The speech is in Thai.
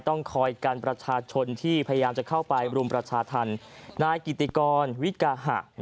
ต้องคอยกันประชาชนที่พยายามจะเข้าไปบรุมประชาธรรม